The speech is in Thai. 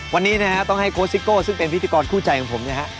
วันนี้นะฮะต้องให้ซึ่งเป็นพิธีกรคู่ใจของผมนะฮะ